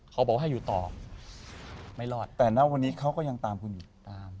เขาบอกว่าให้อยู่ต่อไม่รอดแต่ณวันนี้เขาก็ยังตามคุณอยู่ตาม